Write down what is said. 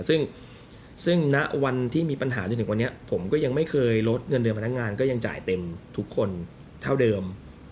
ซึ่งณวันที่มีปัญหาจนถึงวันนี้ผมก็ยังไม่เคยลดเงินเดือนพนักงานก็ยังจ่ายเต็มทุกคนเท่าเดิม